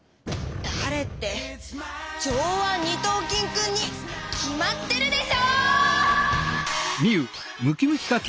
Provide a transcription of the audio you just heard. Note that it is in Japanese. だれって上腕二頭筋君に決まってるでしょ！